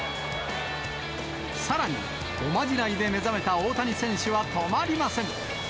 さらに、おまじないで目覚めた大谷選手は止まりません。